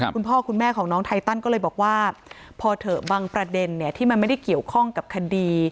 คุณพ่อคุณแม่ของน้องไทตันก็เลยบอกว่าพอเถอะบางประเด็นที่มันไม่ได้เกี่ยวข้องกับคดี